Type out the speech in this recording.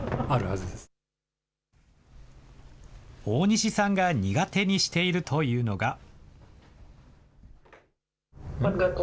大西さんが苦手にしているというのが。